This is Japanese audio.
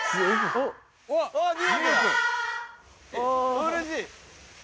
・うれしい！